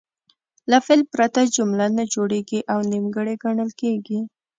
له فعل پرته جمله نه جوړیږي او نیمګړې ګڼل کیږي.